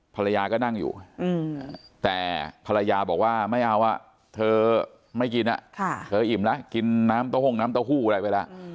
ภรรยาก็นั่งอยู่แต่ภรรยาบอกว่าไม่เอาเธอไม่กินเธออิ่มแล้วกินน้ำเต้าห้งน้ำเต้าหู้อะไรไปแล้ว